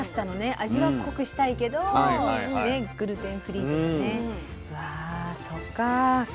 味は濃くしたいけどグルテンフリーとかね。